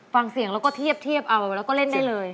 ฟังเสียงแล้วก็เทียบเอาแล้วก็เล่นได้เลย